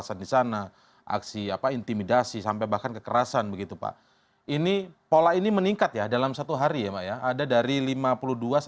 respon di akunnya tersebut